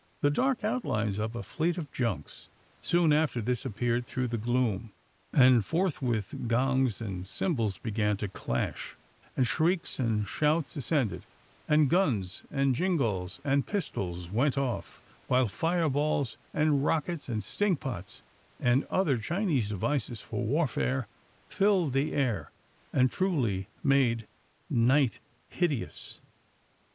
The dark outlines of a fleet of junks soon after this appeared through the gloom, and forthwith gongs and cymbals began to clash, and shrieks and shouts ascended, and guns, and jingalls, and pistols went off, while fire balls, and rockets, and stink pots, and other Chinese devices for warfare, filled the air, and truly made "night hideous."